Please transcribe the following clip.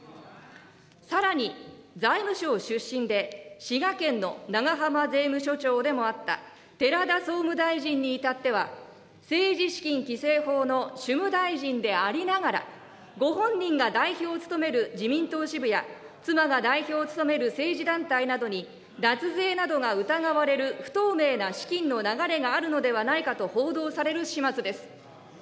さらに、財務相出身で、滋賀県の長浜税務署長でもあった寺田総務大臣に至っては、政治資金規正法の主務大臣でありながら、ご本人が代表を務める自民党支部や、妻が代表を務める政治団体などに脱税などが疑われる不透明な資金の流れがあるのではないかと報道される始末です。